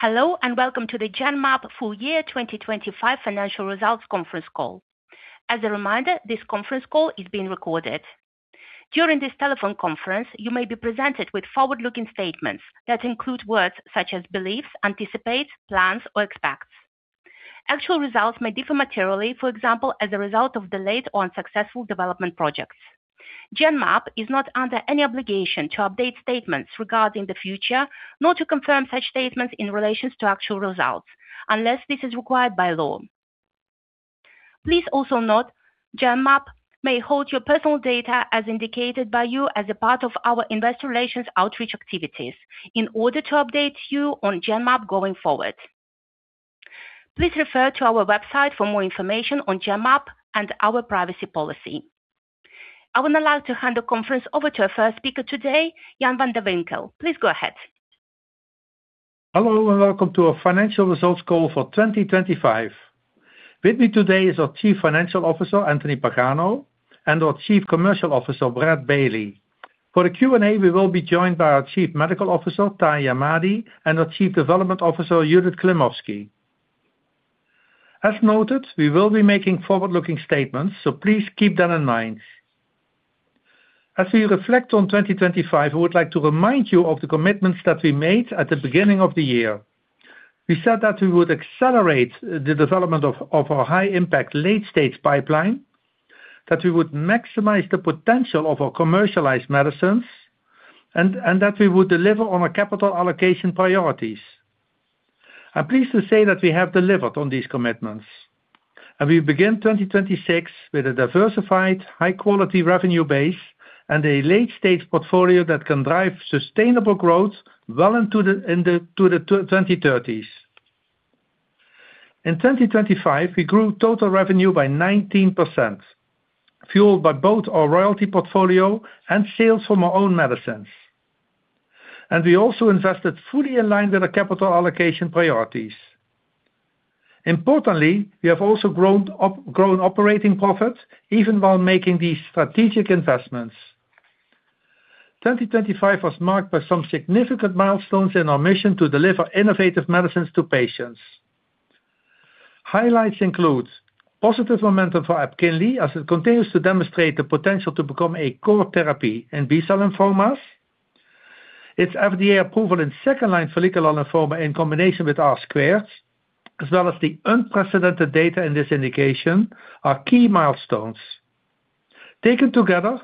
Hello, and welcome to the Genmab full year 2025 financial results conference call. As a reminder, this conference call is being recorded. During this telephone conference, you may be presented with forward-looking statements that include words such as believes, anticipate, plans, or expects. Actual results may differ materially, for example, as a result of delayed or unsuccessful development projects. Genmab is not under any obligation to update statements regarding the future, nor to confirm such statements in relation to actual results, unless this is required by law. Please also note, Genmab may hold your personal data as indicated by you as a part of our investor relations outreach activities in order to update you on Genmab going forward. Please refer to our website for more information on Genmab and our privacy policy. I would like to hand the conference over to our first speaker today, Jan van de Winkel. Please go ahead. Hello, and welcome to our financial results call for 2025. With me today is our Chief Financial Officer, Anthony Pagano, and our Chief Commercial Officer, Brad Bailey. For the Q&A, we will be joined by our Chief Medical Officer, Tahamtan Ahmadi, and our Chief Development Officer, Judith Klimovsky. As noted, we will be making forward-looking statements, so please keep that in mind. As we reflect on 2025, I would like to remind you of the commitments that we made at the beginning of the year. We said that we would accelerate the development of our high-impact late-stage pipeline, that we would maximize the potential of our commercialized medicines, and that we would deliver on our capital allocation priorities. I'm pleased to say that we have delivered on these commitments, and we begin 2026 with a diversified, high-quality revenue base and a late-stage portfolio that can drive sustainable growth well into the 2030s. In 2025, we grew total revenue by 19%, fueled by both our royalty portfolio and sales from our own medicines. We also invested fully aligned with our capital allocation priorities. Importantly, we have also grown operating profit, even while making these strategic investments. 2025 was marked by some significant milestones in our mission to deliver innovative medicines to patients. Highlights include positive momentum for EPKINLY, as it continues to demonstrate the potential to become a core therapy in B-cell lymphomas. Its FDA approval in second-line follicular lymphoma in combination with R², as well as the unprecedented data in this indication, are key milestones. Taken together,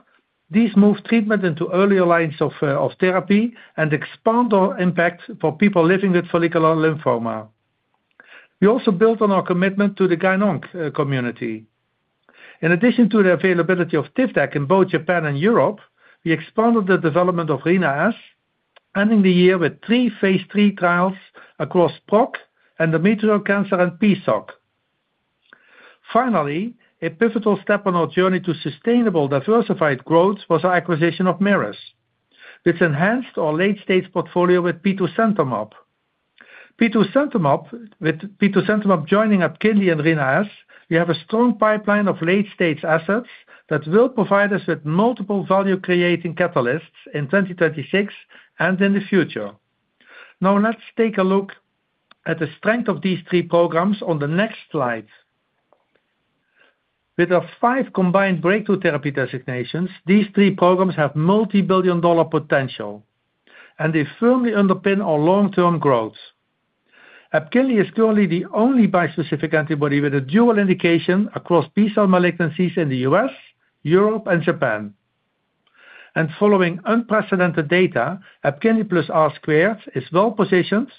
these move treatment into earlier lines of, of therapy and expand our impact for people living with follicular lymphoma. We also built on our commitment to the Gyn-Onc community. In addition to the availability of TIVDAK in both Japan and Europe, we expanded the development of Rina-S, ending the year with three phase III trials across PROC, endometrial cancer, and PSOC. Finally, a pivotal step on our journey to sustainable, diversified growth was our acquisition of Merus, which enhanced our late-stage portfolio with petosemtamab. Petosemtamab, with petosemtamab joining EPKINLY and Rina-S, we have a strong pipeline of late-stage assets that will provide us with multiple value-creating catalysts in 2026 and in the future. Now, let's take a look at the strength of these three programs on the next slide. With our five combined breakthrough therapy designations, these three programs have multi-billion dollar potential, and they firmly underpin our long-term growth. EPKINLY is currently the only bispecific antibody with a dual indication across B-cell malignancies in the U.S., Europe, and Japan. Following unprecedented data, EPKINLY+R² is well positioned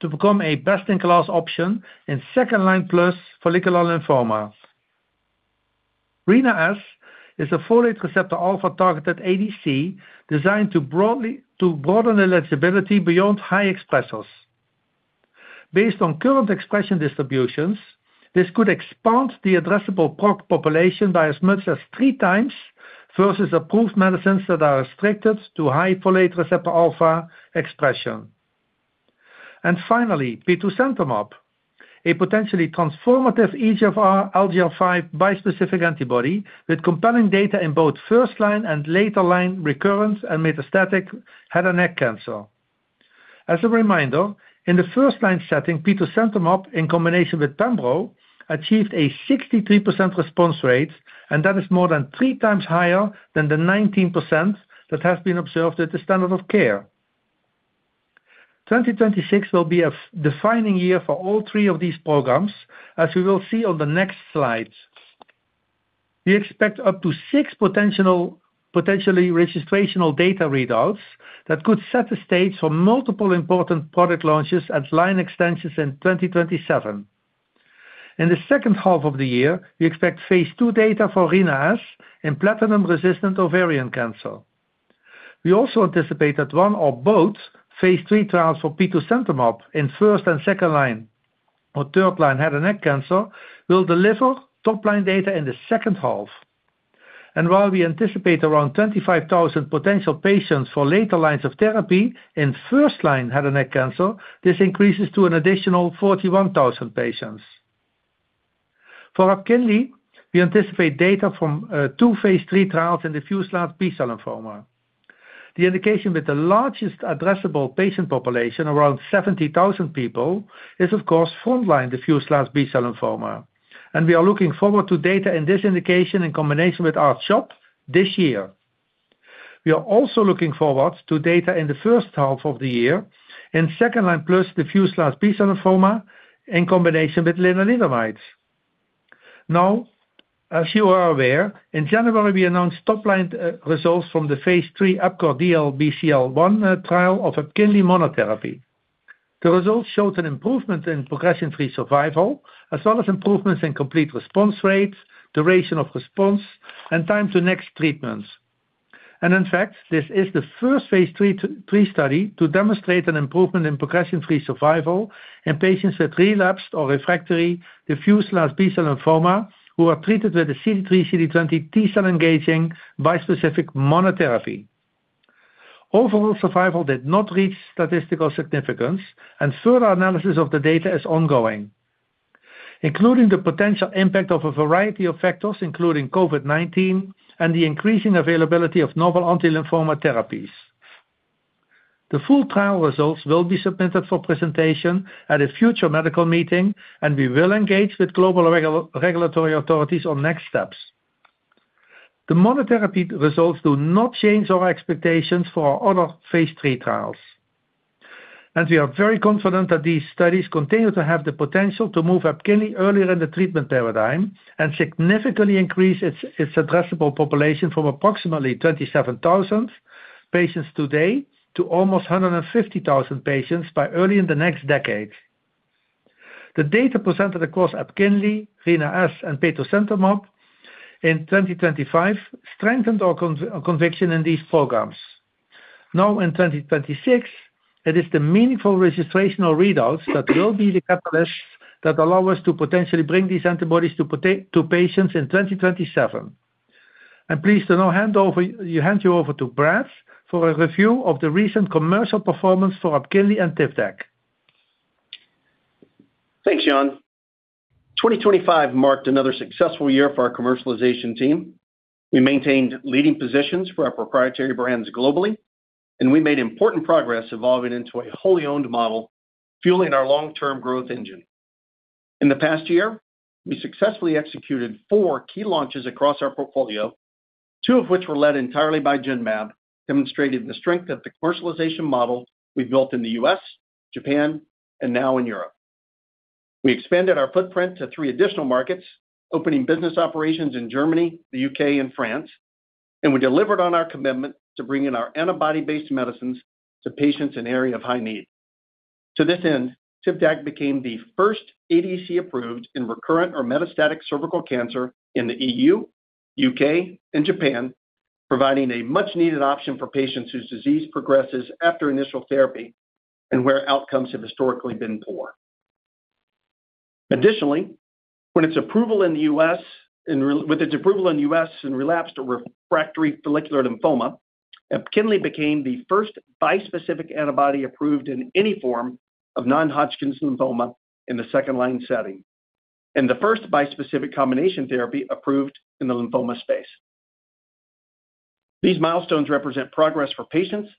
to become a best-in-class option in second-line plus follicular lymphoma. Rina-S is a folate receptor alpha-targeted ADC, designed to broaden eligibility beyond high expressers. Based on current expression distributions, this could expand the addressable PROC population by as much as three times versus approved medicines that are restricted to high folate receptor alpha expression. Finally, petosemtamab, a potentially transformative EGFR LGR5 bispecific antibody with compelling data in both first-line and later-line recurrence and metastatic head and neck cancer. As a reminder, in the first-line setting, petosemtamab, in combination with pembro, achieved a 63% response rate, and that is more than three times higher than the 19% that has been observed at the standard of care. 2026 will be a defining year for all three of these programs, as we will see on the next slide. We expect up to six potentially registrational data readouts that could set the stage for multiple important product launches and line extensions in 2027. In the second half of the year, we expect phase II data for Rina-S in platinum-resistant ovarian cancer. We also anticipate that one or both phase III trials for petosemtamab in first- and second-line or third-line head and neck cancer will deliver top-line data in the second half. While we anticipate around 25,000 potential patients for later lines of therapy, in first line head and neck cancer, this increases to an additional 41,000 patients. For EPKINLY, we anticipate data from two Phase III trials in diffuse large B-cell lymphoma. The indication with the largest addressable patient population, around 70,000 people, is, of course, frontline diffuse large B-cell lymphoma, and we are looking forward to data in this indication in combination with R-CHOP this year. We are also looking forward to data in the first half of the year in second-line plus diffuse large B-cell lymphoma in combination with lenalidomide. Now, as you are aware, in January, we announced top-line results from the phase III EPCORE DLBCL-1 trial of EPKINLY monotherapy. The results showed an improvement in progression-free survival, as well as improvements in complete response rates, duration of response, and time to next treatments. And in fact, this is the first phase III study to demonstrate an improvement in progression-free survival in patients with relapsed or refractory diffuse large B-cell lymphoma who are treated with a CD3xCD20 T-cell engaging bispecific monotherapy. Overall survival did not reach statistical significance, and further analysis of the data is ongoing, including the potential impact of a variety of factors, including COVID-19 and the increasing availability of novel anti-lymphoma therapies. The full trial results will be submitted for presentation at a future medical meeting, and we will engage with global regulatory authorities on next steps. The monotherapy results do not change our expectations for our other phase III trials. We are very confident that these studies continue to have the potential to move EPKINLY earlier in the treatment paradigm and significantly increase its, its addressable population from approximately 27,000 patients today to almost 150,000 patients by early in the next decade. The data presented across EPKINLY, Rina-S, and petosemtamab in 2025 strengthened our our conviction in these programs. Now, in 2026, it is the meaningful registrational readouts that will be the catalyst that allow us to potentially bring these antibodies to to patients in 2027. I'm pleased to now hand you over to Brad for a review of the recent commercial performance for EPKINLY and TIVDAK. Thanks, Jan. 2025 marked another successful year for our commercialization team. We maintained leading positions for our proprietary brands globally, and we made important progress evolving into a wholly owned model, fueling our long-term growth engine. In the past year, we successfully executed 4 key launches across our portfolio, twoof which were led entirely by Genmab, demonstrating the strength of the commercialization model we've built in the U.S., Japan, and now in Europe. We expanded our footprint to three additional markets, opening business operations in Germany, the U.K., and France, and we delivered on our commitment to bringing our antibody-based medicines to patients in area of high need. To this end, TIVDAK became the first ADC approved in recurrent or metastatic cervical cancer in the E.U., U.K., and Japan, providing a much-needed option for patients whose disease progresses after initial therapy and where outcomes have historically been poor. With its approval in the US in relapsed or refractory follicular lymphoma, EPKINLY became the first bispecific antibody approved in any form of non-Hodgkin's lymphoma in the second-line setting, and the first bispecific combination therapy approved in the lymphoma space. These milestones represent progress for patients,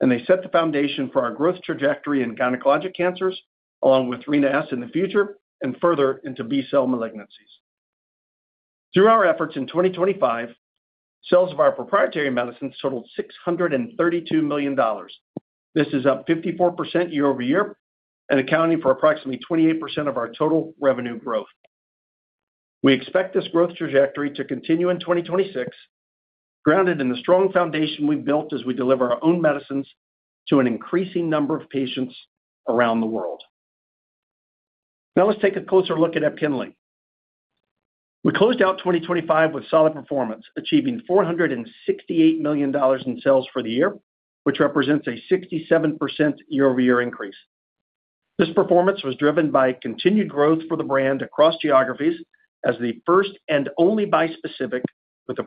and they set the foundation for our growth trajectory in gynecologic cancers, along with Rina-S in the future, and further into B-cell malignancies. Through our efforts in 2025, sales of our proprietary medicines totaled $632 million. This is up 54% year over year and accounting for approximately 28% of our total revenue growth. We expect this growth trajectory to continue in 2026, grounded in the strong foundation we've built as we deliver our own medicines to an increasing number of patients around the world. Now let's take a closer look at EPKINLY. We closed out 2025 with solid performance, achieving $468 million in sales for the year, which represents a 67% year-over-year increase. This performance was driven by continued growth for the brand across geographies as the first and only bispecific, with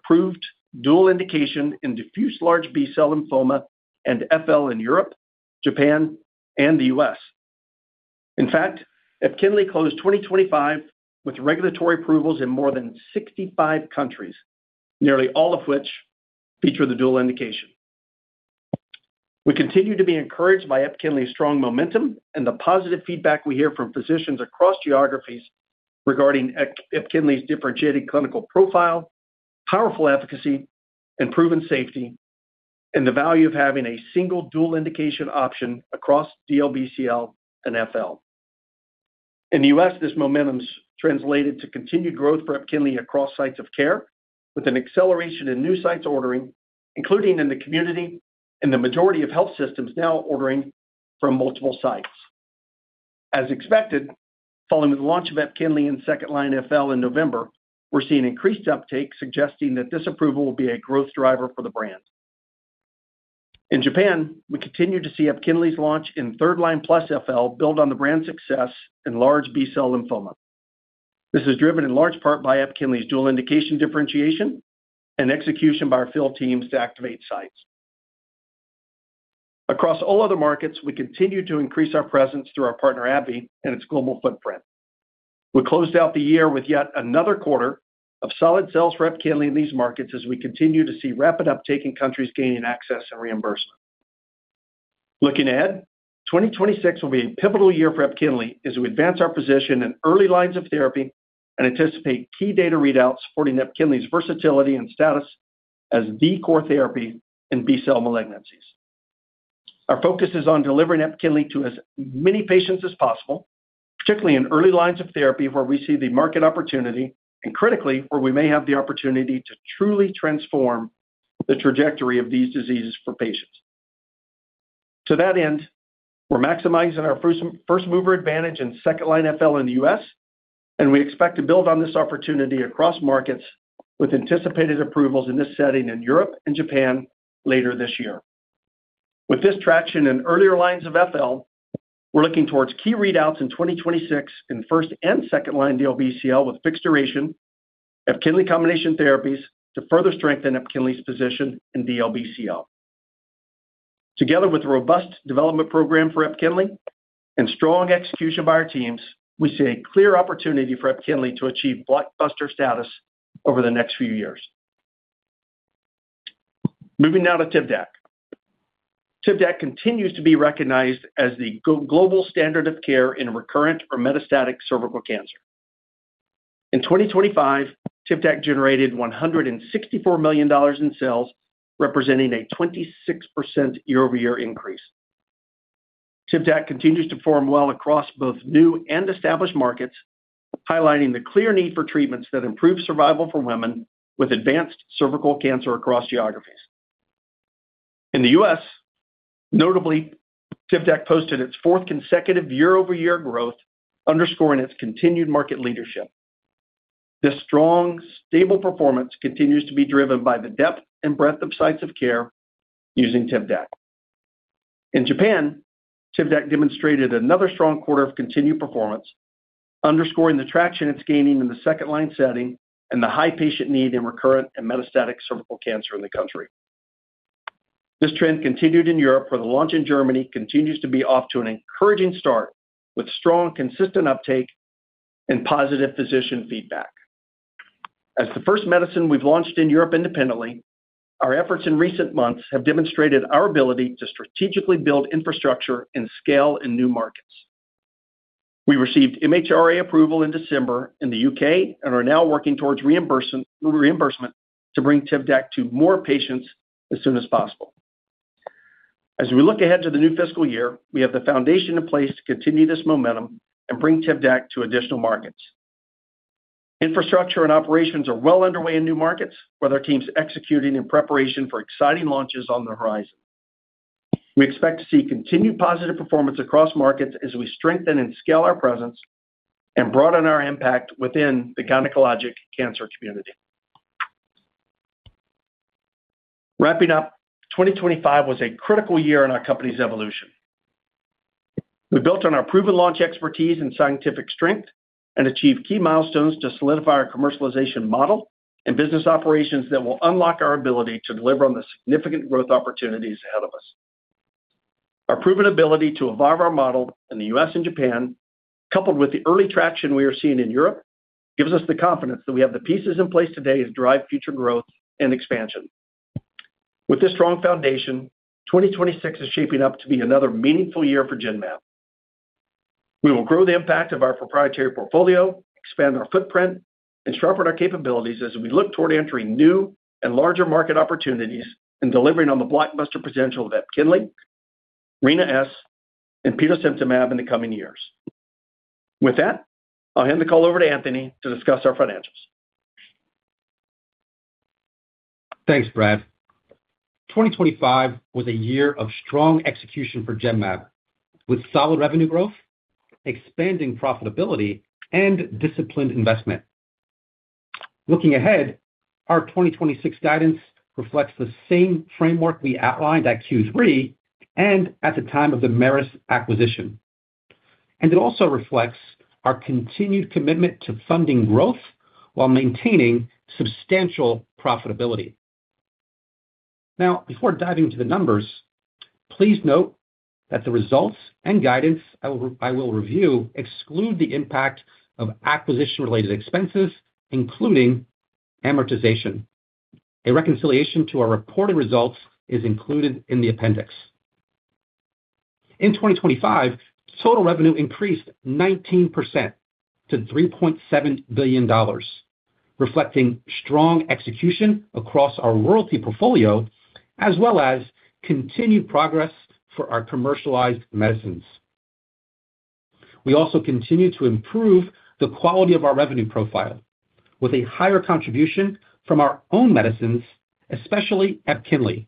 approved dual indication in diffuse large B-cell lymphoma and FL in Europe, Japan, and the U.S. In fact, EPKINLY closed 2025 with regulatory approvals in more than 65 countries, nearly all of which feature the dual indication. We continue to be encouraged by EPKINLY's strong momentum and the positive feedback we hear from physicians across geographies regarding EPKINLY's differentiated clinical profile, powerful efficacy, and proven safety, and the value of having a single dual indication option across DLBCL and FL. In the U.S., this momentum's translated to continued growth for EPKINLY across sites of care, with an acceleration in new sites ordering, including in the community and the majority of health systems now ordering from multiple sites. As expected, following the launch of EPKINLY in second-line FL in November, we're seeing increased uptake, suggesting that this approval will be a growth driver for the brand. In Japan, we continue to see EPKINLY's launch in third-line plus FL build on the brand's success in large B-cell lymphoma. This is driven in large part by EPKINLY's dual indication differentiation and execution by our field teams to activate sites.... Across all other markets, we continue to increase our presence through our partner, AbbVie, and its global footprint. We closed out the year with yet another quarter of solid sales of EPKINLY in these markets as we continue to see rapid uptake in countries gaining access and reimbursement. Looking ahead, 2026 will be a pivotal year for EPKINLY as we advance our position in early lines of therapy and anticipate key data readouts supporting EPKINLY's versatility and status as the core therapy in B-cell malignancies. Our focus is on delivering EPKINLY to as many patients as possible, particularly in early lines of therapy, where we see the market opportunity, and critically, where we may have the opportunity to truly transform the trajectory of these diseases for patients. To that end, we're maximizing our first-mover advantage in second-line FL in the U.S., and we expect to build on this opportunity across markets with anticipated approvals in this setting in Europe and Japan later this year. With this traction in earlier lines of FL, we're looking towards key readouts in 2026 in first and second-line DLBCL with fixed duration, EPKINLY combination therapies to further strengthen EPKINLY's position in DLBCL. Together with a robust development program for EPKINLY and strong execution by our teams, we see a clear opportunity for EPKINLY to achieve blockbuster status over the next few years. Moving now to TIVDAK. TIVDAK continues to be recognized as the go-global standard of care in recurrent or metastatic cervical cancer. In 2025,TIVDAK generated $164 million in sales, representing a 26% year-over-year increase. TIVDAK continues to form well across both new and established markets, highlighting the clear need for treatments that improve survival for women with advanced cervical cancer across geographies. In the U.S., notably, TIVDAK posted its fourth consecutive year-over-year growth, underscoring its continued market leadership. This strong, stable performance continues to be driven by the depth and breadth of sites of care using TIVDAK. In Japan, TIVDAK demonstrated another strong quarter of continued performance, underscoring the traction it's gaining in the second-line setting and the high patient need in recurrent and metastatic cervical cancer in the country. This trend continued in Europe, where the launch in Germany continues to be off to an encouraging start, with strong, consistent uptake and positive physician feedback. As the first medicine we've launched in Europe independently, our efforts in recent months have demonstrated our ability to strategically build infrastructure and scale in new markets. We received MHRA approval in December in the U.K. and are now working towards reimbursement, reimbursement to bring TIVDAK to more patients as soon as possible. As we look ahead to the new fiscal year, we have the foundation in place to continue this momentum and bring TIVDAK to additional markets. Infrastructure and operations are well underway in new markets, with our teams executing in preparation for exciting launches on the horizon. We expect to see continued positive performance across markets as we strengthen and scale our presence and broaden our impact within the gynecologic cancer community. Wrapping up, 2025 was a critical year in our company's evolution. We built on our proven launch expertise and scientific strength and achieved key milestones to solidify our commercialization model and business operations that will unlock our ability to deliver on the significant growth opportunities ahead of us. Our proven ability to evolve our model in the U.S. and Japan, coupled with the early traction we are seeing in Europe, gives us the confidence that we have the pieces in place today to drive future growth and expansion. With this strong foundation, 2026 is shaping up to be another meaningful year for Genmab. We will grow the impact of our proprietary portfolio, expand our footprint, and sharpen our capabilities as we look toward entering new and larger market opportunities and delivering on the blockbuster potential of EPKINLY, Rina-S, and petosemtamab in the coming years. With that, I'll hand the call over to Anthony to discuss our financials. Thanks, Brad. 2025 was a year of strong execution for Genmab, with solid revenue growth, expanding profitability, and disciplined investment. Looking ahead, our 2026 guidance reflects the same framework we outlined at Q3 and at the time of the Merus acquisition. It also reflects our continued commitment to funding growth while maintaining substantial profitability. Now, before diving into the numbers, please note that the results and guidance I will, I will review exclude the impact of acquisition-related expenses, including amortization. A reconciliation to our reported results is included in the appendix. In 2025, total revenue increased 19% to $3.7 billion, reflecting strong execution across our royalty portfolio, as well as continued progress for our commercialized medicines. We also continued to improve the quality of our revenue profile with a higher contribution from our own medicines, especially EPKINLY,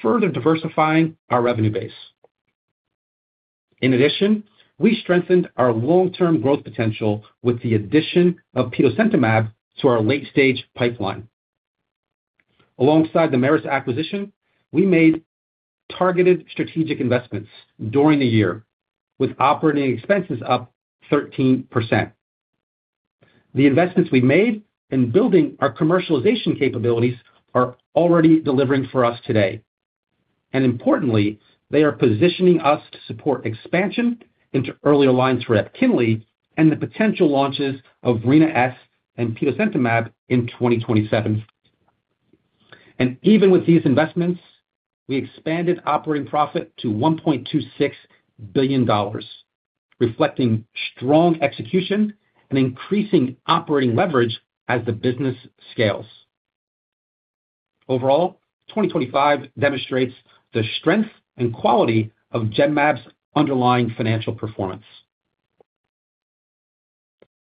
further diversifying our revenue base. In addition, we strengthened our long-term growth potential with the addition of petosemtamab to our late-stage pipeline. Alongside the Merus acquisition, we made targeted strategic investments during the year, with operating expenses up 13%.... The investments we made in building our commercialization capabilities are already delivering for us today, and importantly, they are positioning us to support expansion into earlier lines for EPKINLY and the potential launches of Rina-S and petosemtamab in 2027. And even with these investments, we expanded operating profit to $1.26 billion, reflecting strong execution and increasing operating leverage as the business scales. Overall, 2025 demonstrates the strength and quality of Genmab's underlying financial performance.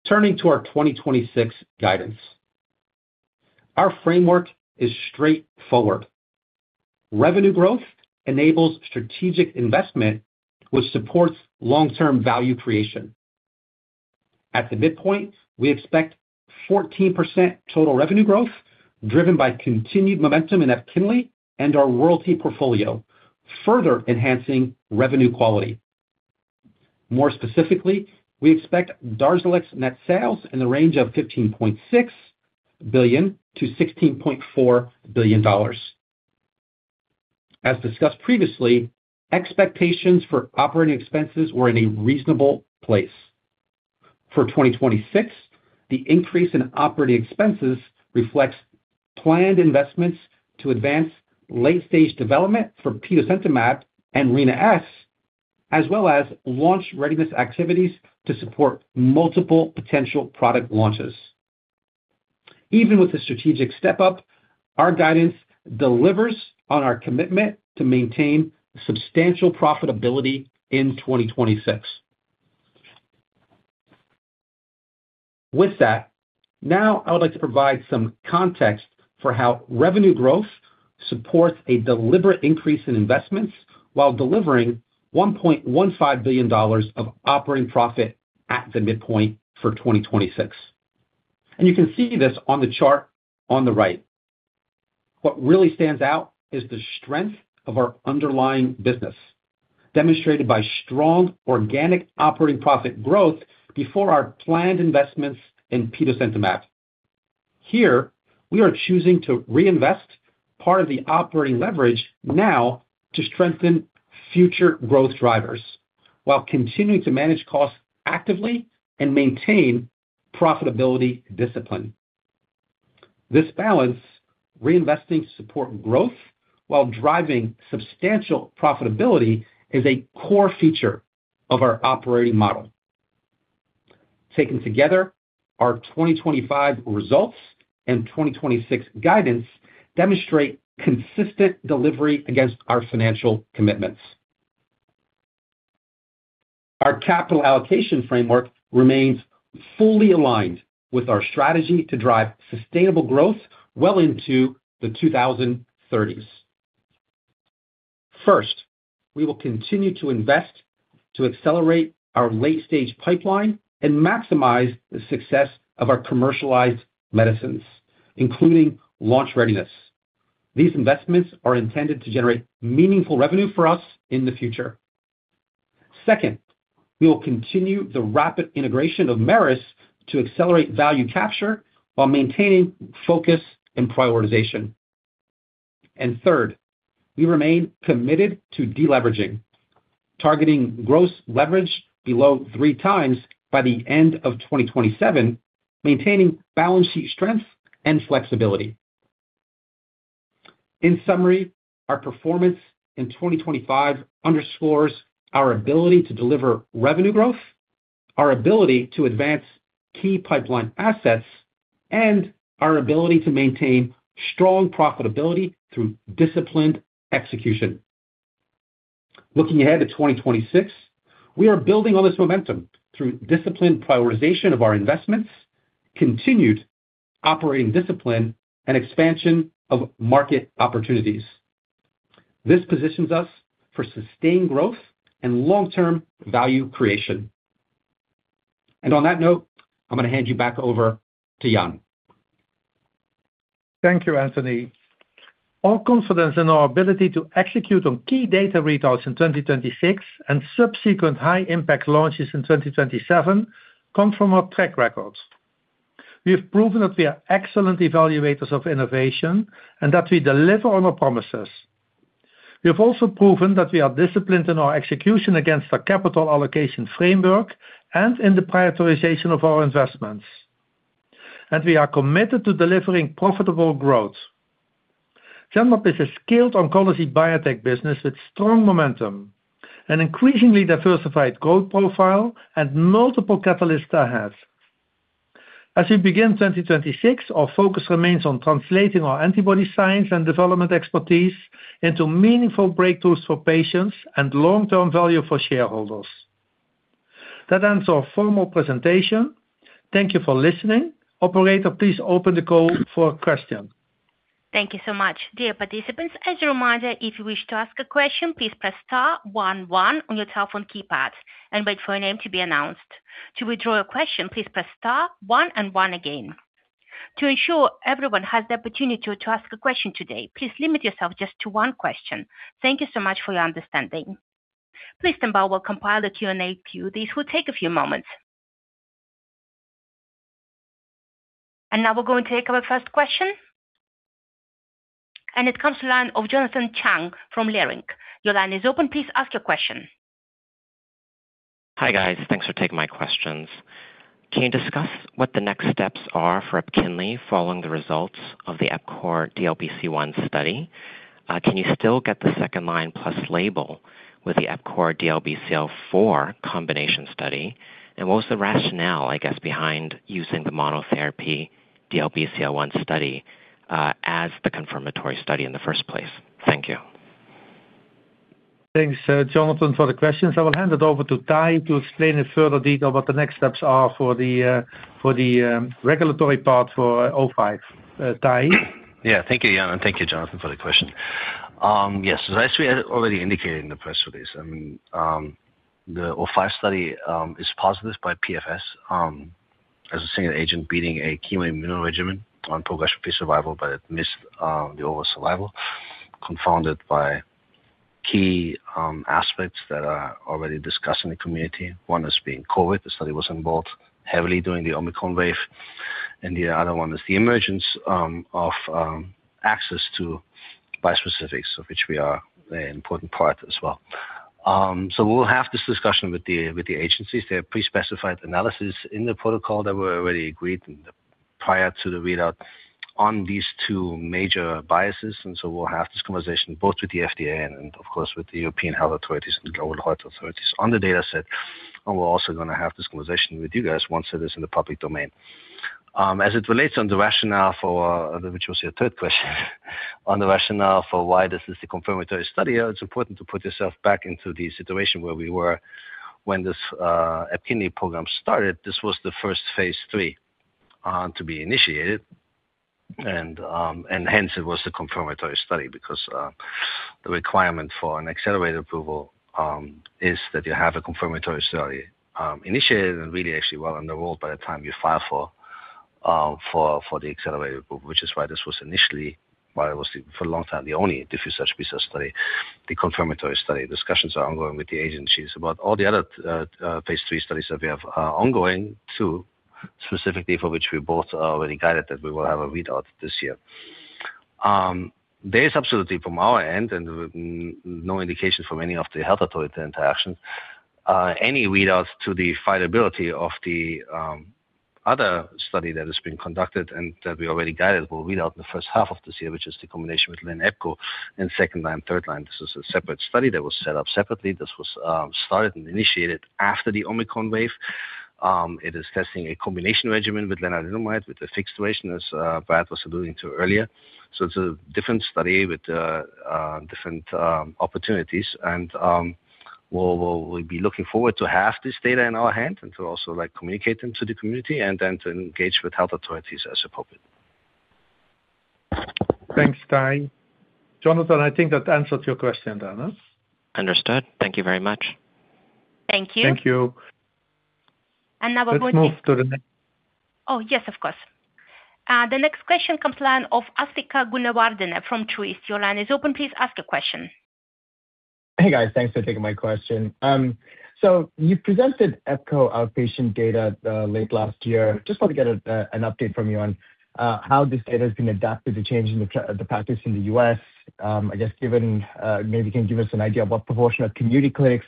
Turning to our 2026 guidance, our framework is straightforward. Revenue growth enables strategic investment, which supports long-term value creation. At the midpoint, we expect 14% total revenue growth, driven by continued momentum in EPKINLY and our royalty portfolio, further enhancing revenue quality. More specifically, we expect DARZALEX net sales in the range of $15.6 billion-$16.4 billion. As discussed previously, expectations for operating expenses were in a reasonable place. For 2026, the increase in operating expenses reflects planned investments to advance late-stage development for petosemtamab and Rina-S, as well as launch readiness activities to support multiple potential product launches. Even with the strategic step-up, our guidance delivers on our commitment to maintain substantial profitability in 2026. With that, now I would like to provide some context for how revenue growth supports a deliberate increase in investments while delivering $1.15 billion of operating profit at the midpoint for 2026. You can see this on the chart on the right. What really stands out is the strength of our underlying business, demonstrated by strong organic operating profit growth before our planned investments in petosemtamab. Here, we are choosing to reinvest part of the operating leverage now to strengthen future growth drivers, while continuing to manage costs actively and maintain profitability discipline. This balance, reinvesting to support growth while driving substantial profitability, is a core feature of our operating model. Taken together, our 2025 results and 2026 guidance demonstrate consistent delivery against our financial commitments. Our capital allocation framework remains fully aligned with our strategy to drive sustainable growth well into the 2030s. First, we will continue to invest to accelerate our late-stage pipeline and maximize the success of our commercialized medicines, including launch readiness. These investments are intended to generate meaningful revenue for us in the future. Second, we will continue the rapid integration of Merus to accelerate value capture while maintaining focus and prioritization. Third, we remain committed to deleveraging, targeting gross leverage below 3x by the end of 2027, maintaining balance sheet strength and flexibility. In summary, our performance in 2025 underscores our ability to deliver revenue growth, our ability to advance key pipeline assets, and our ability to maintain strong profitability through disciplined execution. Looking ahead to 2026, we are building on this momentum through disciplined prioritization of our investments, continued operating discipline, and expansion of market opportunities. This positions us for sustained growth and long-term value creation. On that note, I'm going to hand you back over to Jan. Thank you, Anthony. Our confidence in our ability to execute on key data readouts in 2026 and subsequent high-impact launches in 2027 come from our track records. We have proven that we are excellent evaluators of innovation and that we deliver on our promises. We have also proven that we are disciplined in our execution against our capital allocation framework and in the prioritization of our investments, and we are committed to delivering profitable growth. Genmab is a skilled oncology biotech business with strong momentum, an increasingly diversified growth profile, and multiple catalysts ahead. As we begin 2026, our focus remains on translating our antibody science and development expertise into meaningful breakthroughs for patients and long-term value for shareholders. That ends our formal presentation. Thank you for listening. Operator, please open the call for questions. Thank you so much. Dear participants, as a reminder, if you wish to ask a question, please press star, one, one on your telephone keypad and wait for your name to be announced. To withdraw your question, please press star, one, and one again. To ensure everyone has the opportunity to ask a question today, please limit yourself just to one question. Thank you so much for your understanding.... Please stand by. We'll compile the Q&A to you. This will take a few moments. Now we're going to take our first question. It comes to the line of Jonathan Chang from Leerink. Your line is open. Please ask your question. Hi, guys. Thanks for taking my questions. Can you discuss what the next steps are for EPKINLY, following the results of the EPCORE DLBCL-1 study? Can you still get the second line plus label with the EPCORE DLBCL-4 combination study? And what was the rationale, I guess, behind using the monotherapy DLBCL-1 study as the confirmatory study in the first place? Thank you. Thanks, Jonathan, for the questions. I will hand it over to Tahi to explain in further detail what the next steps are for the regulatory part for 05. Tahi? Yeah. Thank you, Jan, and thank you, Jonathan, for the question. Yes, so as we had already indicated in the press release, I mean, the 05 study is positive by PFS as a single agent beating a chemoimmunotherapy regimen on progression-free survival, but it missed the overall survival, confounded by key aspects that are already discussed in the community. One is being COVID. The study was involved heavily during the Omicron wave, and the other one is the emergence of access to bispecifics, of which we are an important part as well. So we'll have this discussion with the agencies. They have pre-specified analysis in the protocol that were already agreed prior to the readout on these two major biases, and so we'll have this conversation both with the FDA and, of course, with the European health authorities and the overall health authorities on the data set. We're also gonna have this conversation with you guys, once it is in the public domain. As it relates on the rationale for, which was your third question, on the rationale for why this is the confirmatory study, it's important to put yourself back into the situation where we were when this EPKINLY program started. This was the first phase III to be initiated, and and hence it was the confirmatory study, because the requirement for an accelerated approval is that you have a confirmatory study initiated and really actually well underway by the time you file for for for the accelerated approval, which is why this was initially, why it was for a long time, the only diffuse large B-cell study, the confirmatory study. Discussions are ongoing with the agencies about all the other, phase III studies that we have, ongoing, two, specifically, for which we both are already guided, that we will have a readout this year. There is absolutely from our end and no indication from any of the health authority interactions, any readouts to the viability of the other study that has been conducted and that we already guided, will read out in the first half of this year, which is the combination with Len Epco in second line, third line. This is a separate study that was set up separately. This was started and initiated after the Omicron wave. It is testing a combination regimen with lenalidomide, with a fixed duration, as Brad was alluding to earlier. So it's a different study with different opportunities, and we'll be looking forward to have this data in our hand and to also, like, communicate them to the community and then to engage with health authorities as appropriate. Thanks, Tahi. Jonathan, I think that answers your question then, yes? Understood. Thank you very much. Thank you. Thank you. Now we're going to- Let's move to the ne- Oh, yes, of course. The next question comes from the line of Asthika Goonewardene from Truist. Your line is open. Please ask a question. Hey, guys. Thanks for taking my question. So you presented Epco outpatient data late last year. Just want to get an update from you on how this data has been adapted to change in the practice in the US. I guess, given, maybe you can give us an idea of what proportion of community clinics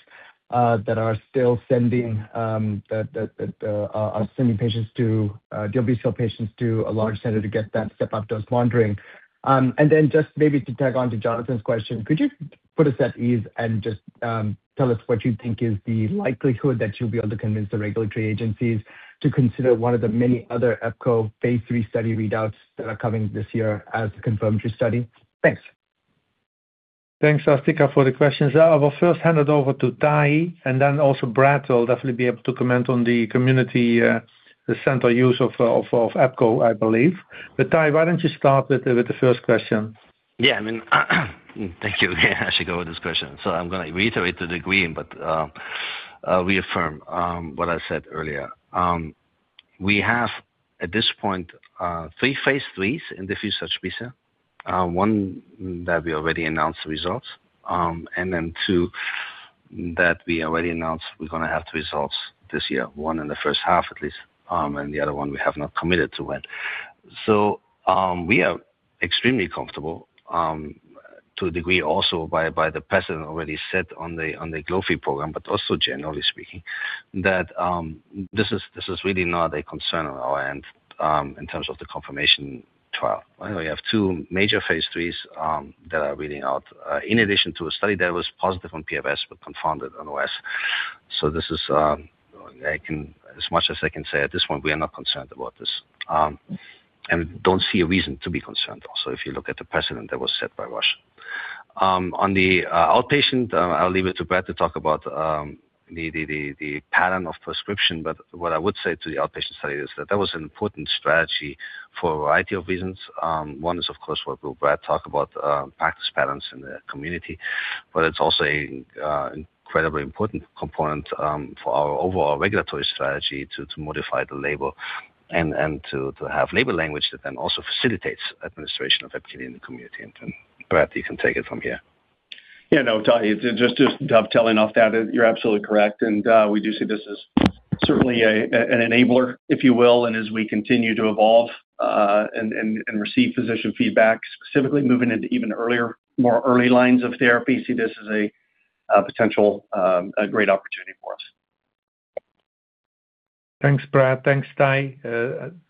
that are still sending DLBCL patients to a large center to get that step-up dose monitoring. And then just maybe to tag on to Jonathan's question, could you put us at ease and just tell us what you think is the likelihood that you'll be able to convince the regulatory agencies to consider one of the many other Epco phase three study readouts that are coming this year as a confirmatory study? Thanks. Thanks, Ashtika, for the questions. I will first hand it over to Tahi, and then also Brad will definitely be able to comment on the commercial use of Epco, I believe. But, Tahi, why don't you start with the first question? Yeah, I mean, thank you. I should go with this question. So I'm gonna reiterate to the degree, but, reaffirm what I said earlier. We have, at this point, threee phase IIIs in diffuse large B-cell, one that we already announced the results, and then two that we already announced we're gonna have the results this year, one in the first half at least, and the other one we have not committed to it. So, we are extremely comfortable, to a degree also by, by the precedent already set on the, on the glofitamab program, but also generally speaking, that, this is, this is really not a concern on our end, in terms of the confirmation trial. We have two major phase IIIs that are reading out in addition to a study that was positive on PFS, but confounded on OS. So this is. As much as I can say at this point, we are not concerned about this, and don't see a reason to be concerned also, if you look at the precedent that was set by R-squared. On the outpatient, I'll leave it to Brad to talk about the pattern of prescription, but what I would say to the outpatient study is that that was an important strategy for a variety of reasons. One is, of course, what Brad talked about, practice patterns in the community, but it's also an incredibly important component for our overall regulatory strategy to modify the label. and to have label language that then also facilitates administration of EPKINLY in the community, and then Brad, you can take it from here. Yeah, no, Thank you, just dovetailing off that, you're absolutely correct. And we do see this as certainly an enabler, if you will, and as we continue to evolve and receive physician feedback, specifically moving into even earlier, more early lines of therapy, see this as a potential, a great opportunity for us. Thanks, Brad. Thanks, Tahi.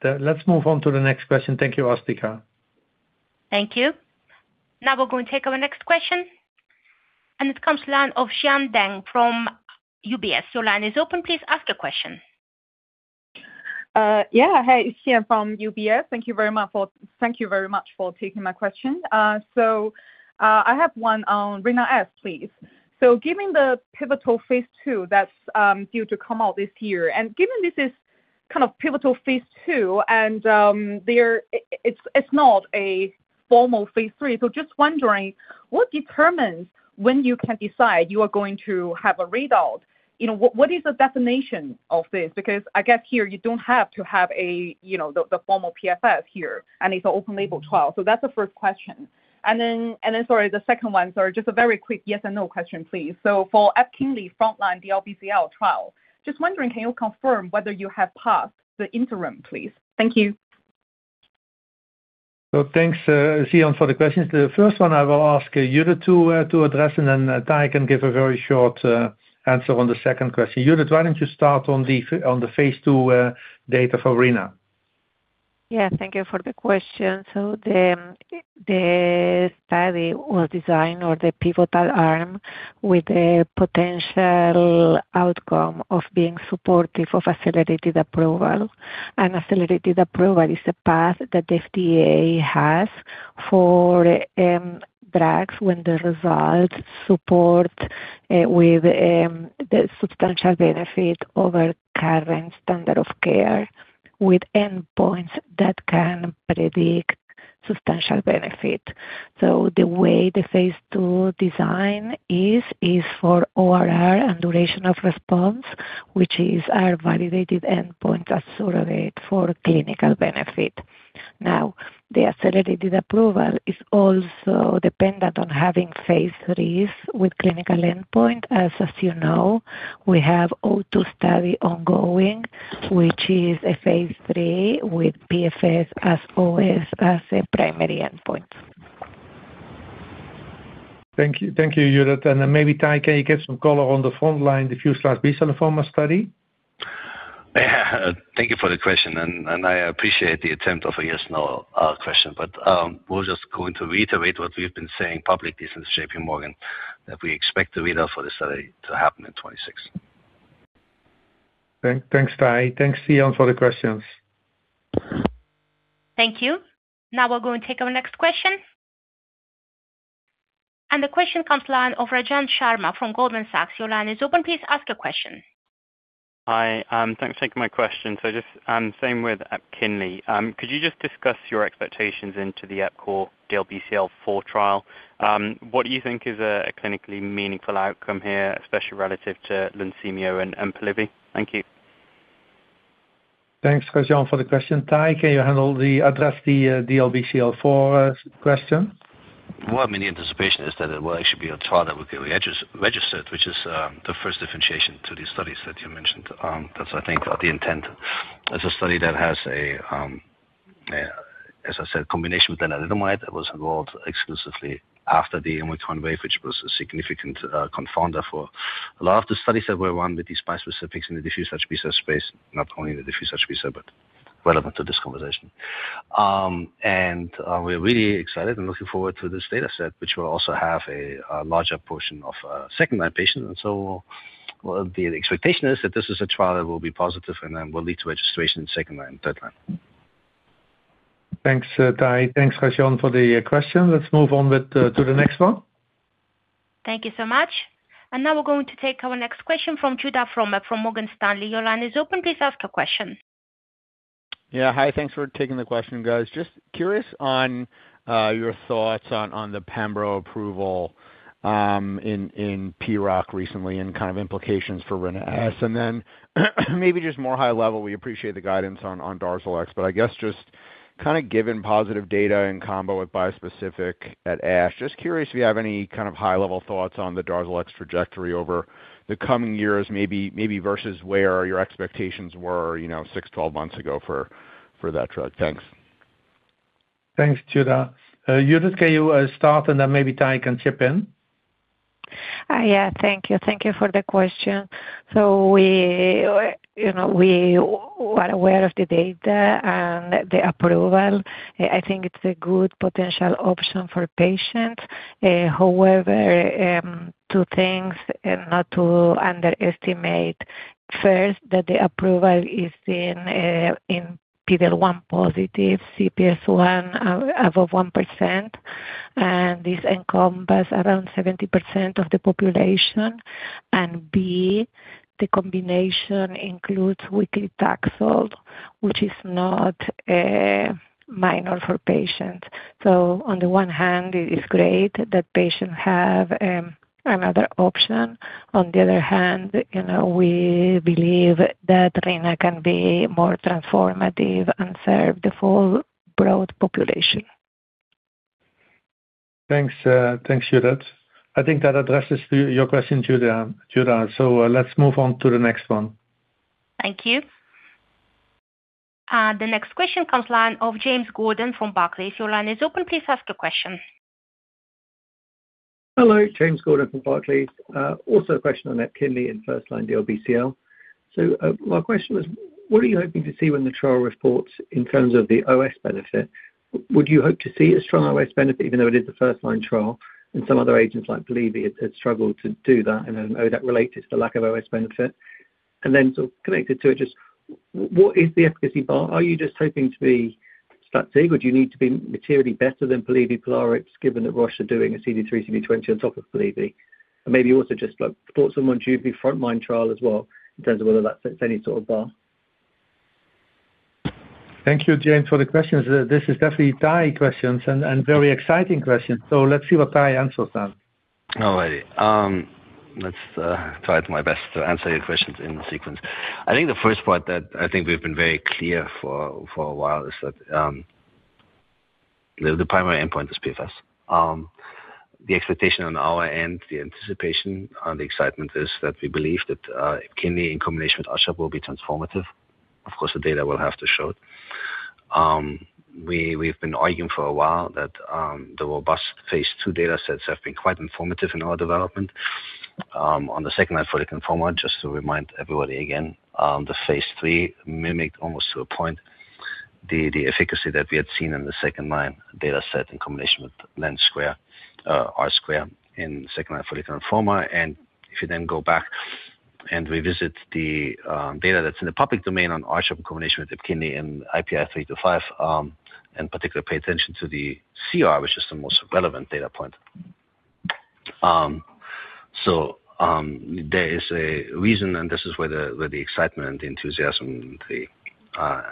Let's move on to the next question. Thank you, Ashtika. Thank you. Now we're going to take our next question, and it comes from the line of Xian Deng from UBS. Your line is open. Please ask a question. Yeah. Hi, Xian from UBS. Thank you very much for taking my question. So, I have one on Rina-S, please. So given the pivotal phase II that's due to come out this year, and given this is kind of a pivotal phase II, and it's not a formal phase III. So just wondering, what determines when you can decide you are going to have a readout? You know, what is the definition of this? Because I guess here you don't have to have a, you know, the formal PFS here, and it's an open label trial. So that's the first question. And then, sorry, the second one, so just a very quick yes or no question, please. For EPKINLY frontline DLBCL trial, just wondering, can you confirm whether you have passed the interim, please? Thank you. Well, thanks, Xian, for the questions. The first one I will ask Judit to address, and then Tahi can give a very short answer on the seond question. Judit, why don't you start on the phase II data for Rina-S? Yeah, thank you for the question. So the study was designed or the pivotal arm, with a potential outcome of being supportive of accelerated approval. An accelerated approval is a path that the FDA has for drugs when the results support with the substantial benefit over current standard of care, with endpoints that can predict substantial benefit. So the way the phase two design is for ORR and duration of response, which is our validated endpoint as surrogate for clinical benefit. Now, the accelerated approval is also dependent on having phase threes with clinical endpoint. As you know, we have O-two study ongoing, which is a phase three with PFS as always as a primary endpoint. Thank you. Thank you, Judith. Then maybe, Tahi, can you give some color on the frontline, the first-line follicular lymphoma study? Yeah, thank you for the question, and I appreciate the attempt of a yes or no question, but we're just going to reiterate what we've been saying publicly since J.P. Morgan, that we expect the readout for the study to happen in 2026. Thanks, Tahi. Thanks, Xian, for the questions. Thank you. Now we're going to take our next question. The question comes from the line of Rajan Sharma from Goldman Sachs. Your line is open. Please ask a question. Hi, thanks for taking my question. So just, same with EPKINLY. Could you just discuss your expectations into the EPCORE DLBCL 4 trial? What do you think is a clinically meaningful outcome here, especially relative to Lunsumio and Polivy? Thank you. Thanks, Rajan, for the question. Tahi, can you handle the address, the DLBCL four question? Well, I mean, the anticipation is that it will actually be a trial that will get registered, which is the first differentiation to these studies that you mentioned. That's, I think, the intent. It's a study that has a combination with lenalidomide that was involved exclusively after the immunotherapy wave, which was a significant confounder for a lot of the studies that were run with these bispecifics in the diffuse large B-cell space, not only the diffuse large B-cell, but relevant to this conversation. We're really excited and looking forward to this data set, which will also have a larger portion of second-line patient. So the expectation is that this is a trial that will be positive and then will lead to registration in second-line and third-line. Thanks, Tahi. Thanks, Rajan, for the question. Let's move on to the next one. Thank you so much. Now we're going to take our next question from Judah Frommer, from Morgan Stanley. Your line is open. Please ask a question. Yeah, hi, thanks for taking the question, guys. Just curious on your thoughts on the pembro approval in PROC recently and kind of implications for Rina-S, and then, maybe just more high level, we appreciate the guidance on DARZALEX, but I guess just kind of given positive data in combo with bispecific at ASH, just curious if you have any kind of high-level thoughts on the DARZALEX trajectory over the coming years, maybe versus where your expectations were, you know, six, 12 months ago for that drug. Thanks. Thanks, Judah. Judith, can you start, and then maybe Tahi can chip in? Yeah, thank you. Thank you for the question. So we, you know, we were aware of the data and the approval. I think it's a good potential option for patients. However, two things, and not to underestimate, first, that the approval is in PD-L1 positive CPS1 above 1%, and this encompasses around 70% of the population. And B, the combination includes weekly taxol, which is not minor for patients. So on the one hand, it is great that patients have another option. On the other hand, you know, we believe that Rina-S can be more transformative and serve the full broad population.... Thanks, thanks, Judith. I think that addresses your question, Julian-Judith. So, let's move on to the next one. Thank you. The next question comes from the line of James Gordon from Barclays. Your line is open, please ask your question. Hello, James Gordon from Barclays. Also a question on EPKINLY and first line DLBCL. So, my question was, what are you hoping to see when the trial reports in terms of the OS benefit? Would you hope to see a strong OS benefit, even though it is a first line trial, and some other agents like Polivy had struggled to do that, and then that related to the lack of OS benefit? And then sort of connected to it, what is the efficacy bar? Are you just hoping to be static, or do you need to be materially better than Polivy, given that Roche are doing a CD3xCD20 on top of Polivy? And maybe also thoughts on the JUPITER front line trial as well, in terms of whether that sets any sort of bar. Thank you, James, for the questions. This is definitely Tahi questions and very exciting questions. So let's see what Tahi answers them. All right. Let's try my best to answer your questions in sequence. I think the first part that I think we've been very clear for a while is that the primary endpoint is PFS. The expectation on our end, the anticipation and the excitement is that we believe that EPKINLY in combination with R-CHOP will be transformative. Of course, the data will have to show it. We've been arguing for a while that the robust phase II data sets have been quite informative in our development. On the second line for the confirmatory, just to remind everybody again, the phase III mimicked almost to a point the efficacy that we had seen in the second line data set in combination with len square, R² in second line fully confirmatory. If you then go back and revisit the data that's in the public domain on R-squared combination with EPKINLY and IPI 3-5, and particularly pay attention to the CR, which is the most relevant data point. So, there is a reason, and this is where the excitement, the enthusiasm, the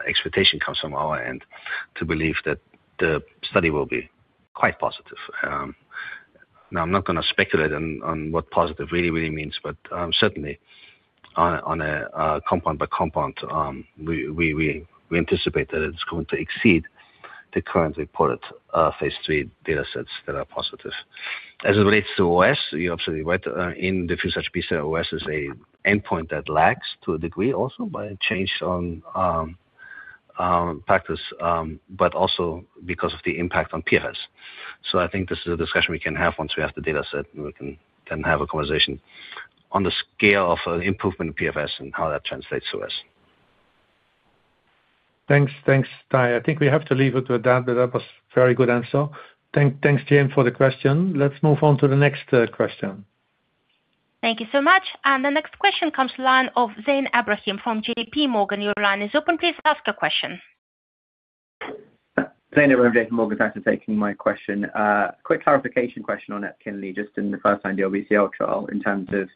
expectation comes from our end, to believe that the study will be quite positive. Now I'm not going to speculate on what positive really, really means, but certainly on a compound by compound, we anticipate that it's going to exceed the currently reported phase III data sets that are positive. As it relates to OS, you're absolutely right, in the few such pieces, OS is an endpoint that lags to a degree also by a change on, practice, but also because of the impact on PFS. So I think this is a discussion we can have once we have the data set, and we can have a conversation on the scale of, improvement in PFS and how that translates to us. Thanks, thanks, Ty. I think we have to leave it at that, but that was very good answer. Thanks, thanks, James, for the question. Let's move on to the next question. Thank you so much. The next question comes from the line of Zain Ebrahim from JP Morgan. Your line is open, please ask a question. Zain Ebrahim, J.P. Morgan. Thanks for taking my question. Quick clarification question on EPKINLY, just in the first line, the DLBCL trial, in terms of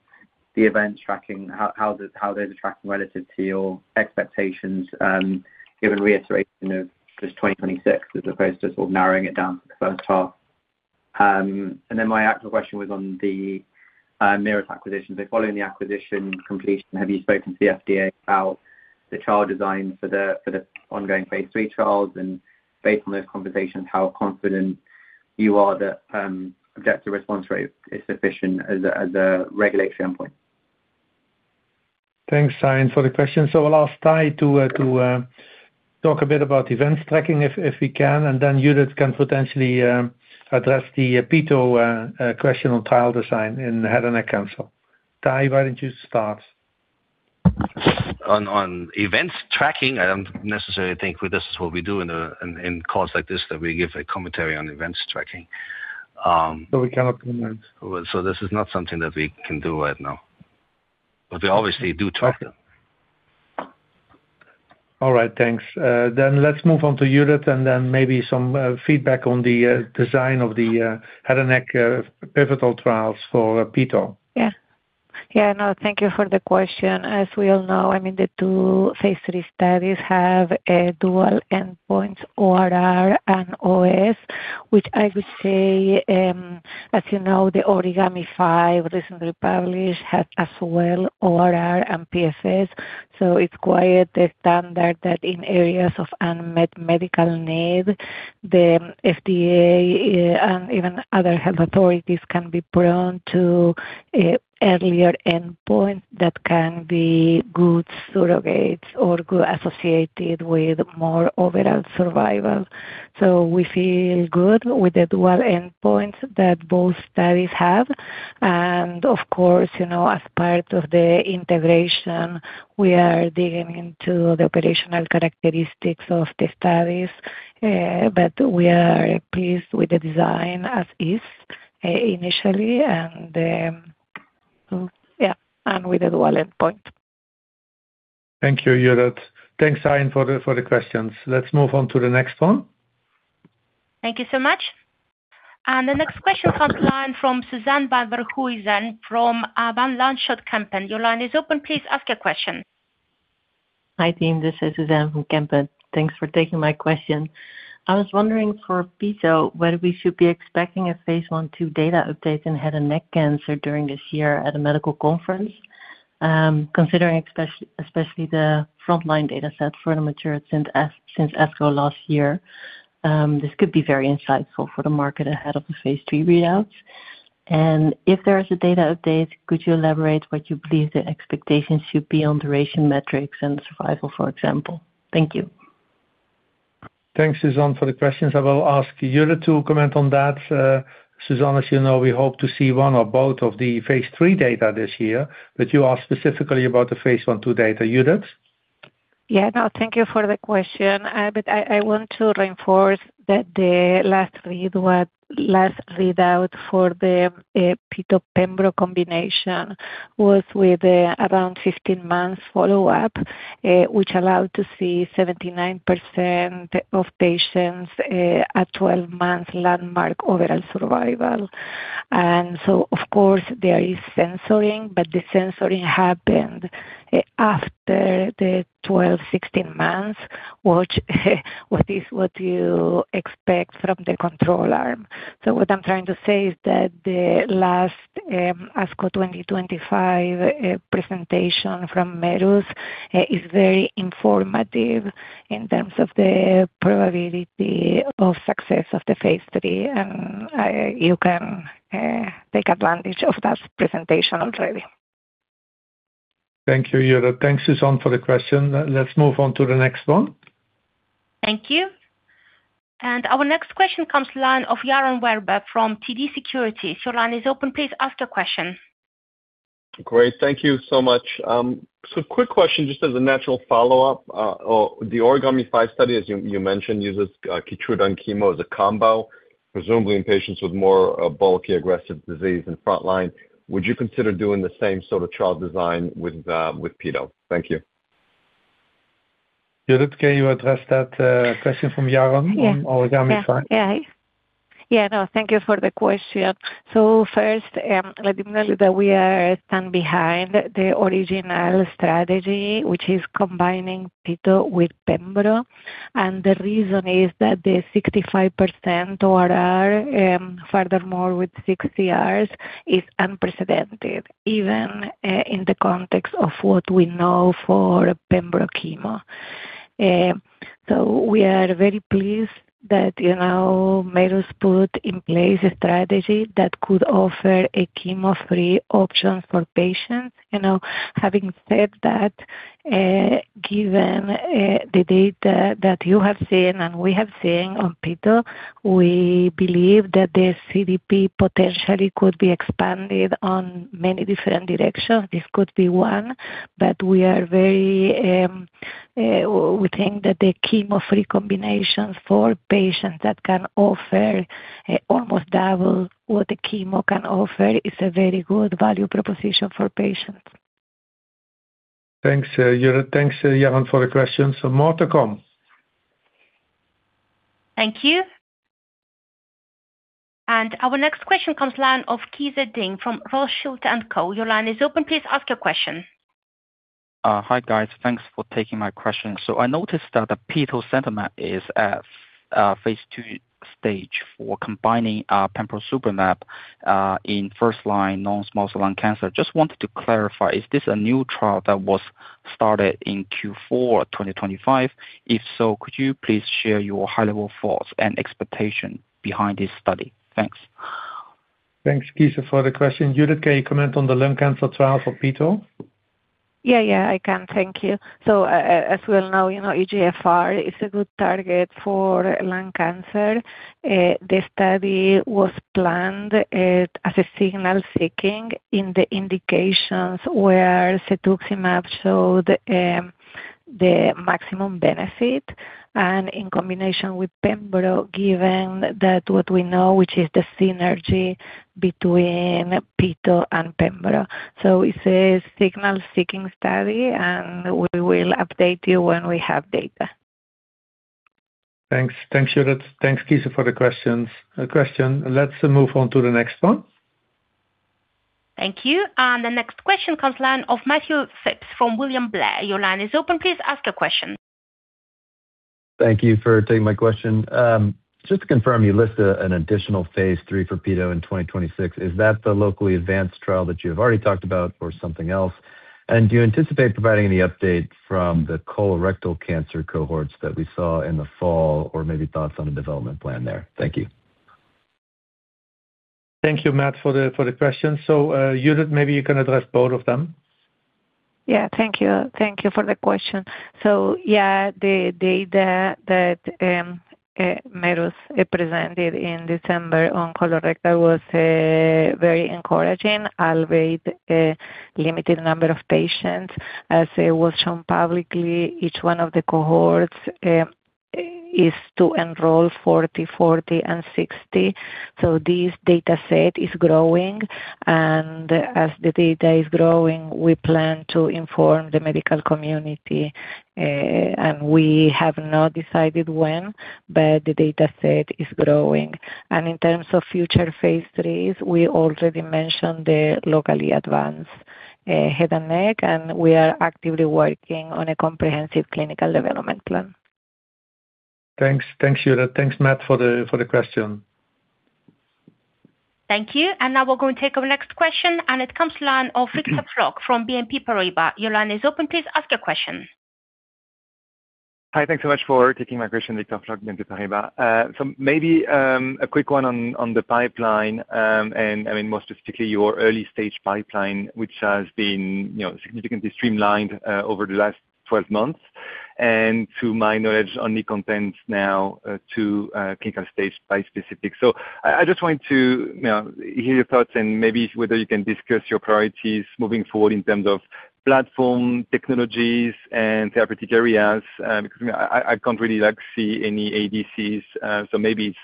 the events tracking, how those are tracking relative to your expectations, given reiteration of this 2026, as opposed to sort of narrowing it down to the first half? And then my actual question was on the Merus acquisition. So following the acquisition completion, have you spoken to the FDA about the trial design for the ongoing phase III trials? And based on those conversations, how confident you are that objective response rate is sufficient as a regulatory endpoint? Thanks, Zain, for the question. So I'll ask Ty to talk a bit about events tracking, if we can, and then Judith can potentially address the peto question on trial design in head and neck cancer. Ty, why don't you start? On events tracking, I don't necessarily think this is what we do in calls like this, that we give a commentary on events tracking. We cannot comment. This is not something that we can do right now, but we obviously do track them. All right, thanks. Then let's move on to Judith, and then maybe some feedback on the design of the head and neck pivotal trials for petosemtamab. Yeah. Yeah, no, thank you for the question. As we all know, I mean, the two phase 3 studies have a dual endpoint, ORR and OS, which I would say, as you know, the Origami 5, recently published, has as well, ORR and PFS. So it's quite the standard that in areas of unmet medical need, the FDA, and even other health authorities, can be prone to an earlier endpoint that can be good surrogates or associated with more overall survival. So we feel good with the dual endpoint that both studies have. And of course, you know, as part of the integration, we are digging into the operational characteristics of the studies, but we are pleased with the design as is, initially, and, yeah, and with the dual endpoint. Thank you, Judith. Thanks, Zain, for the, for the questions. Let's move on to the next one. Thank you so much. The next question comes from the line of Suzanne van Voorthuizen, who is in from Van Lanschot Kempen. Your line is open, please ask your question. Hi, team, this is Suzanne from Kempen. Thanks for taking my question. I was wondering for petosemtamab, whether we should be expecting a phase 1/2 data update in head and neck cancer during this year at a medical conference? Considering especially the frontline data set, the mature data since ASCO last year, this could be very insightful for the market ahead of the phase three readouts. If there is a data update, could you elaborate what you believe the expectations should be on duration, metrics, and survival, for example? Thank you. Thanks, Suzanne, for the questions. I will ask Judith to comment on that. Suzanne, as you know, we hope to see one or both of the phase three data this year, but you asked specifically about the phase I, II data. Judith? Yeah, no, thank you for the question. But I, I want to reinforce that the last read was, last readout for the, TIVDAK pembro combination was with, around 15 months follow-up, which allowed to see 79% of patients, at 12 months landmark overall survival. So of course there is censoring, but the censoring happened, after the 12-16 months, which, what is what you expect from the control arm. So what I'm trying to say is that the last, ASCO 2025, presentation from Merus, is very informative in terms of the probability of success of the phase III, and, you can, take advantage of that presentation already. Thank you, Judith. Thanks, Suzanne, for the question. Let's move on to the next one. Thank you. Our next question comes to line of Yaron Werber from TD Securities. Your line is open, please ask your question. Great. Thank you so much. So quick question, just as a natural follow-up. Oh, the Origami-five study, as you mentioned, uses Keytruda and chemo as a combo, presumably in patients with more bulky, aggressive disease in frontline. Would you consider doing the same sort of trial design with petto? Thank you. Judith, can you address that question from Yaron- Yeah on Origami five? Yeah. Yeah, no, thank you for the question. So first, let me note that we stand behind the original strategy, which is combining petosemtamab with pembro. And the reason is that the 65% ORR, furthermore, with six CRs, is unprecedented, even in the context of what we know for pembro chemo. So we are very pleased that, you know, Merus put in place a strategy that could offer a chemo-free option for patients. You know, having said that, given the data that you have seen and we have seen on petosemtamab, we believe that the CDP potentially could be expanded in many different directions. This could be one, but we are very, we think that the chemo-free combination for patients that can offer almost double what the chemo can offer is a very good value proposition for patients. Thanks, Judith. Thanks, Yaron, for the questions. More to come. Thank you. And our next question comes from the line of Qize Ding from Rothschild & Co. Your line is open. Please ask your question. Hi, guys. Thanks for taking my question. So I noticed that the petosemtamab is at phase 2 stage for combining pembrolizumab in first-line non-small cell lung cancer. Just wanted to clarify, is this a new trial that was started in Q4 2025? If so, could you please share your high-level thoughts and expectation behind this study? Thanks. Thanks, Qize, for the question. Judith, can you comment on the lung cancer trial for peto? Yeah, yeah, I can. Thank you. As we all know, you know, EGFR is a good target for lung cancer. The study was planned as a signal-seeking in the indications where Cetuximab showed the maximum benefit, and in combination with pembro, given that what we know, which is the synergy between peto and pembro. It's a signal-seeking study, and we will update you when we have data. Thanks. Thanks, Judith. Thanks, Qize, for the questions, question. Let's move on to the next one. Thank you. The next question comes from the line of Matthew Phipps from William Blair. Your line is open. Please ask a question. Thank you for taking my question. Just to confirm, you list an additional phase III for petosemtamab in 2026. Is that the locally advanced trial that you have already talked about or something else? And do you anticipate providing any update from the colorectal cancer cohorts that we saw in the fall, or maybe thoughts on the development plan there? Thank you. Thank you, Matt, for the question. So, Judith, maybe you can address both of them. Yeah. Thank you. Thank you for the question. So yeah, the data that Merus presented in December on colorectal was very encouraging, although a limited number of patients. As it was shown publicly, each one of the cohorts is to enroll 40, 40, and 60. So this data set is growing, and as the data is growing, we plan to inform the medical community and we have not decided when, but the data set is growing. And in terms of future phase IIIs, we already mentioned the locally advanced head and neck, and we are actively working on a comprehensive clinical development plan. Thanks. Thanks, Judith. Thanks, Matt, for the question. Thank you. And now we're going to take our next question, and it comes from the line of Victor Floc'h from BNP Paribas. Your line is open. Please ask your question. Hi, thanks so much for taking my question, Victor Floc'h, BNP Paribas. So maybe a quick one on the pipeline, and I mean, more specifically, your early stage pipeline, which has been, you know, significantly streamlined over the last 12 months, and to my knowledge, only contains now two clinical stage bispecific. So I just wanted to, you know, hear your thoughts and maybe whether you can discuss your priorities moving forward in terms of platform, technologies and therapeutic areas. Because I can't really like see any ADCs. So maybe it's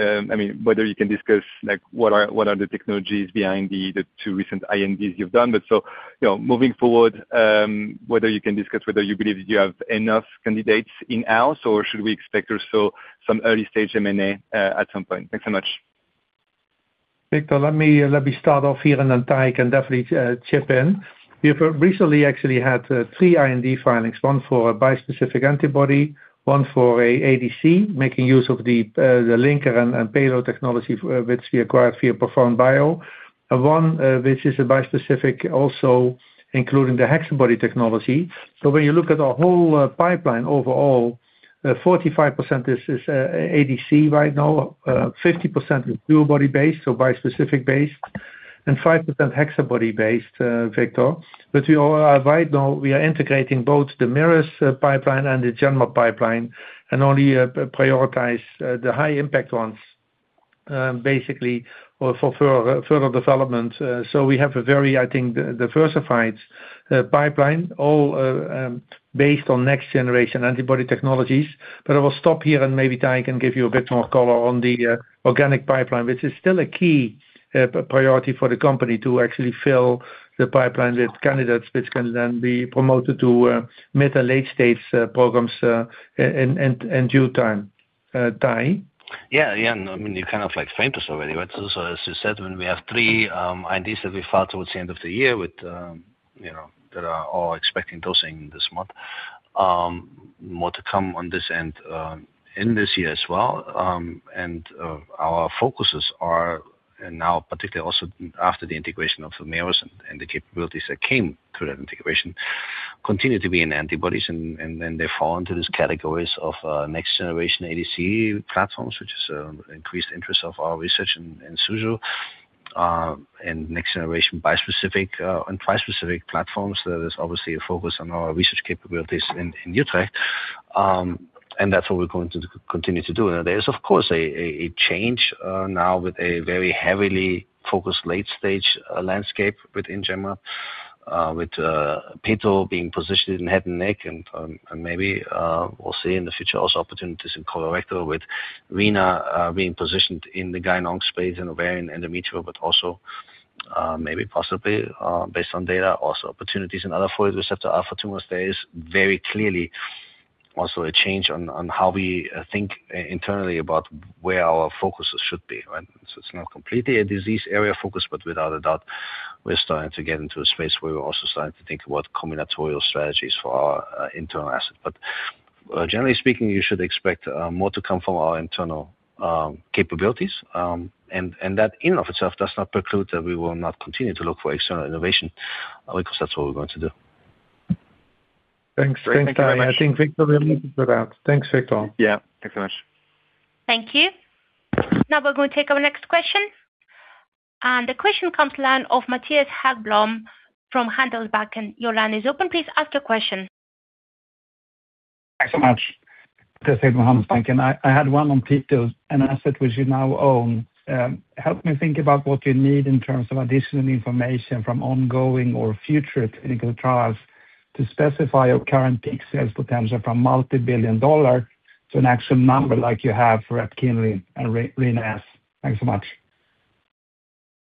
I mean whether you can discuss like what are the technologies behind the two recent INDs you've done. But so, you know, moving forward, whether you can discuss whether you believe you have enough candidates in-house, or should we expect also some early-stage M&A, at some point? Thanks so much. Victor, let me, let me start off here, and then Tahi can definitely chip in. We have recently actually had three IND filings, one for a bispecific antibody, one for an ADC, making use of the linker and payload technology which we acquired via ProfoundBio. And one which is a bispecific, also including the HexaBody technology. So when you look at our whole pipeline overall, 45% is ADC right now, 50% is DuoBody-based, so bispecific-based, and 5% HexaBody-based, Victor. But we are right now integrating both the Merus pipeline and the Genmab pipeline, and only prioritize the high-impact ones, basically, for further development. So we have a very, I think, diversified pipeline, all based on next-generation antibody technologies. But I will stop here and maybe Ty can give you a bit more color on the organic pipeline, which is still a key priority for the company to actually fill the pipeline with candidates, which can then be promoted to mid and late stage programs in due time. Ty? Yeah, yeah. And I mean, you kind of like framed this already, right? So as you said, when we have three ideas that we file towards the end of the year with, you know, that are all expecting dosing this month. More to come on this end, in this year as well. And our focuses are, and now particularly also after the integration of the Merus and the capabilities that came through that integration, continue to be in antibodies. And they fall into these categories of next-generation ADC platforms, which is increased interest of our research in Suzhou, and next-generation bispecific and trispecific platforms. There is obviously a focus on our research capabilities in Utrecht, and that's what we're going to continue to do. There is, of course, a change now with a very heavily focused late-stage landscape within Genmab, with petosemtamab being positioned in head and neck and maybe we'll see in the future also opportunities in colorectal with Rina-S being positioned in the gynonc space and ovarian and endometrial, but also maybe possibly based on data, also opportunities in other receptor alpha tumor space. Very clearly also a change on how we think internally about where our focuses should be, right? So it's not completely a disease area focus, but without a doubt, we're starting to get into a space where we're also starting to think about combinatorial strategies for our internal assets. But generally speaking, you should expect more to come from our internal capabilities. That in of itself does not preclude that we will not continue to look for external innovation, because that's what we're going to do. Thanks. Thanks, Tahi. I think Victor will leave it at that. Thanks, Victor. Yeah, thanks so much. Thank you. Now we're going to take our next question, and the question comes line of Mattias Häggblom from Handelsbanken. Your line is open. Please ask your question. Thanks so much. This is Mattias from Handelsbanken. I had one on petosemtamab, an asset which you now own. Help me think about what you need in terms of additional information from ongoing or future clinical trials to specify your current peak sales potential from multibillion-dollar to an actual number like you have for EPKINLY and Rina-S. Thanks so much.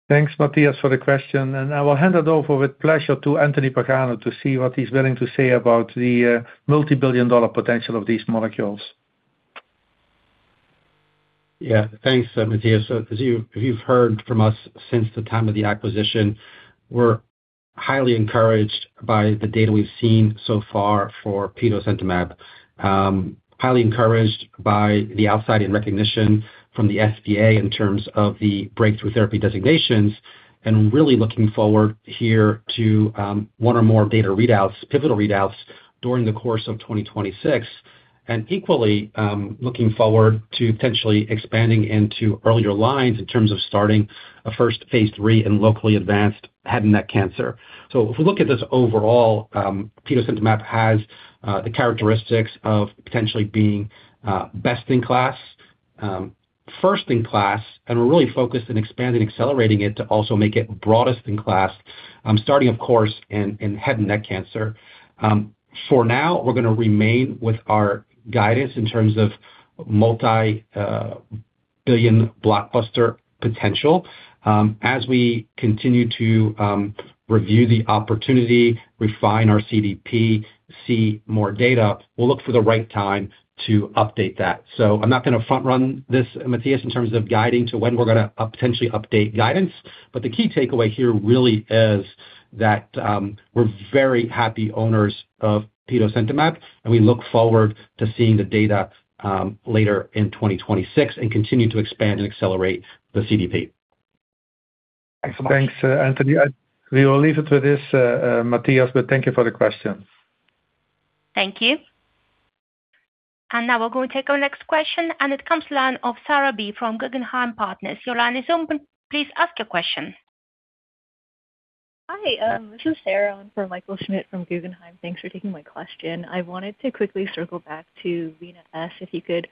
Thanks, Mattias, for the question, and I will hand it over with pleasure to Anthony Pagano to see what he's willing to say about the, multibillion-dollar potential of these molecules. Yeah. Thanks, Mattias. So as you've heard from us since the time of the acquisition, we're highly encouraged by the data we've seen so far for petosemtamab. Highly encouraged by the excitement and recognition from the FDA in terms of the breakthrough therapy designations, and really looking forward here to one or more data readouts, pivotal readouts, during the course of 2026. And equally, looking forward to potentially expanding into earlier lines in terms of starting a first phase III in locally advanced head and neck cancer. So if we look at this overall, petosemtamab has the characteristics of potentially being best in class, first in class, and we're really focused on expanding, accelerating it to also make it broadest in class, starting of course in head and neck cancer. For now, we're gonna remain with our guidance in terms of multi-billion blockbuster potential. As we continue to review the opportunity, refine our CDP, see more data, we'll look for the right time to update that. So I'm not gonna front-run this, Mattias, in terms of guiding to when we're gonna potentially update guidance, but the key takeaway here really is that we're very happy owners of petosemtamab, and we look forward to seeing the data later in 2026 and continue to expand and accelerate the CDP. Thanks so much. Thanks, Anthony. We will leave it to this, Mattias, but thank you for the question. Thank you. Now we're going to take our next question, and it comes from the line of Sarah Bukhari from Guggenheim Partners. Your line is open. Please ask your question. Hi, this is Sarah on for Michael Schmidt from Guggenheim. Thanks for taking my question. I wanted to quickly circle back to Rina-S, if you could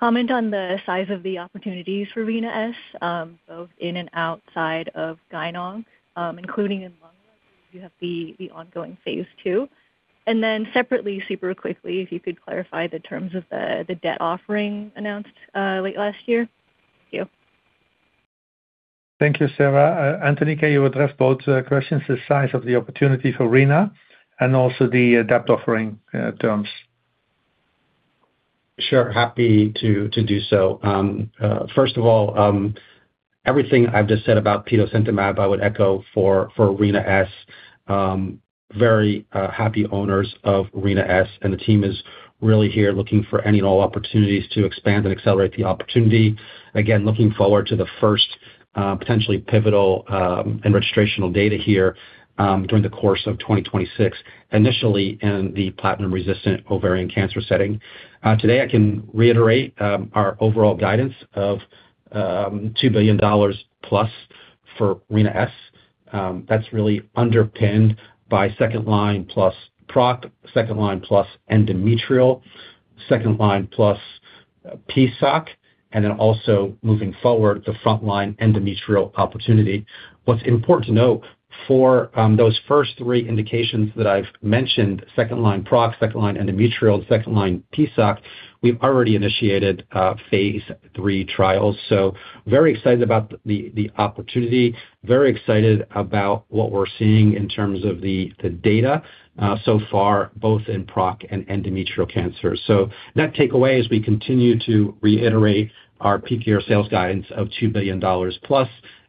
comment on the size of the opportunities for Rina-S, both in and outside of gynonc, including in lung. You have the ongoing phase 2. And then separately, super quickly, if you could clarify the terms of the debt offering announced late last year. Thank you. Thank you, Sarah. Anthony, can you address both questions, the size of the opportunity for Rina-S and also the debt offering terms? Sure, happy to do so. First of all, everything I've just said about petosemtamab, I would echo for Rina-S. Very happy owners of Rina-S, and the team is really here looking for any and all opportunities to expand and accelerate the opportunity. Again, looking forward to the first potentially pivotal and registrational data here during the course of 2026, initially in the platinum-resistant ovarian cancer setting. Today, I can reiterate our overall guidance of $2 billion plus for Rina-S. That's really underpinned by second line plus PROC, second line plus endometrial, second line plus PSOC, and then also moving forward, the frontline endometrial opportunity. What's important to note for those first three indications that I've mentioned, second line PROC, second line endometrial, and second line PSOC, we've already initiated phase three trials. So very excited about the opportunity, very excited about what we're seeing in terms of the data so far, both in PROC and endometrial cancer. So that takeaway, as we continue to reiterate our PPR sales guidance of $2 billion+,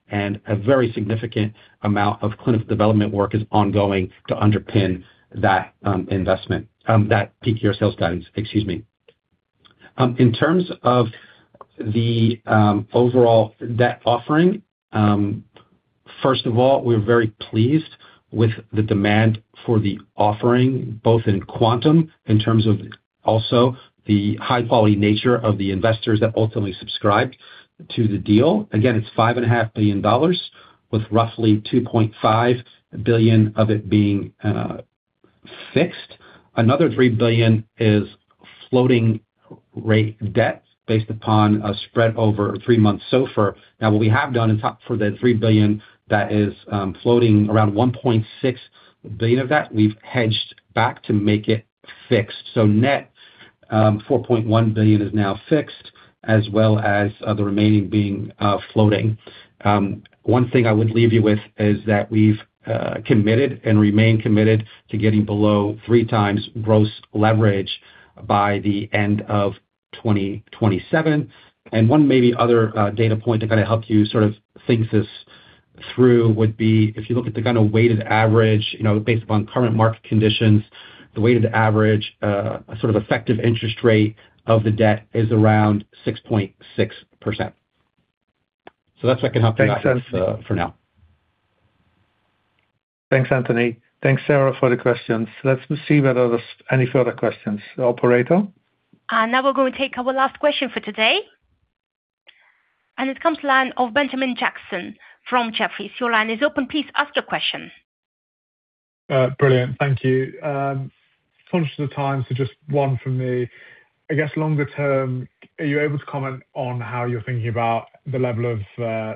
and a very significant amount of clinical development work is ongoing to underpin that investment, that PPR sales guidance, excuse me. In terms of the overall debt offering, first of all, we're very pleased with the demand for the offering, both in quantum, in terms of also the high-quality nature of the investors that ultimately subscribed to the deal. Again, it's $5.5 billion, with roughly $2.5 billion of it being fixed. Another $3 billion is floating rate debt based upon a spread over three months SOFR. Now, what we have done in top for the $3 billion that is floating, around $1.6 billion of that, we've hedged back to make it fixed. So net, $4.1 billion is now fixed, as well as the remaining being floating. One thing I would leave you with is that we've committed and remain committed to getting below 3x gross leverage by the end of 2027. And one maybe other data point to kinda help you sort of think this through would be if you look at the kind of weighted average, you know, based upon current market conditions, the weighted average sort of effective interest rate of the debt is around 6.6%. So that's what I can help you guys for now. Thanks, Anthony. Thanks, Sarah, for the questions. Let's see whether there's any further questions. Operator? Now we're going to take our last question for today, and it comes from the line of Benjamin Jackson from Jefferies. Your line is open. Please ask your question. Brilliant. Thank you. Conscious of the time, so just one from me. I guess longer term, are you able to comment on how you're thinking about the level of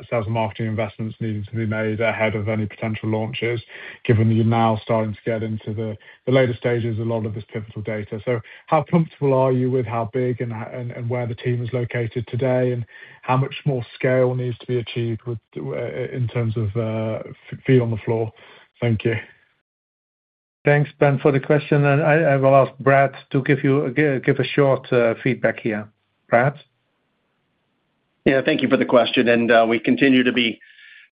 sales and marketing investments needing to be made ahead of any potential launches, given that you're now starting to get into the later stages a lot of this pivotal data? So how comfortable are you with how big and how where the team is located today, and how much more scale needs to be achieved with in terms of feet on the floor? Thank you. Thanks, Ben, for the question, and I will ask Brad to give you a short feedback here. Brad? Yeah, thank you for the question, and we continue to be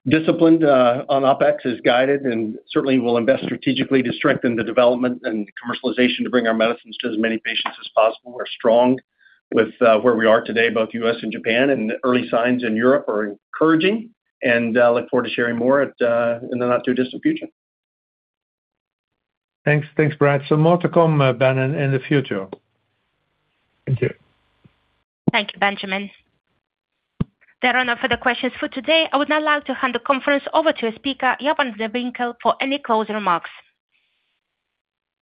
disciplined on OpEx as guided, and certainly we'll invest strategically to strengthen the development and commercialization to bring our medicines to as many patients as possible. We're strong with where we are today, both US and Japan, and the early signs in Europe are encouraging, and look forward to sharing more in the not-too-distant future. Thanks. Thanks, Brad. So more to come, Ben, in the future. Thank you. Thank you, Benjamin. There are no further questions for today. I would now like to hand the conference over to a speaker, Jan van de Winkel, for any closing remarks.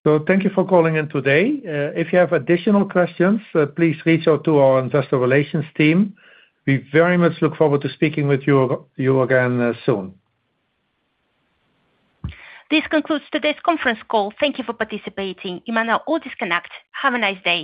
So thank you for calling in today. If you have additional questions, please reach out to our investor relations team. We very much look forward to speaking with you, you again, soon. This concludes today's conference call. Thank you for participating. You may now all disconnect. Have a nice day.